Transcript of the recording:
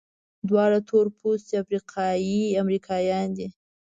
دواړه تورپوستي افریقایي امریکایان دي.